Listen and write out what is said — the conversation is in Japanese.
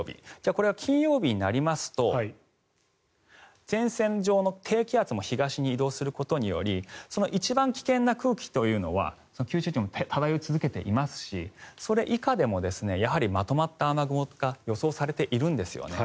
これが金曜日になりますと前線上の低気圧も東に移動することにより一番危険な空気というのは九州地方に漂い続けていますしそれ以下でもやはり、まとまった雨雲が予想されているんですよね。